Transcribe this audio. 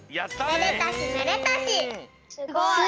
めでたしめでたし。